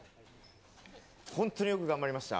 本当によく頑張りました。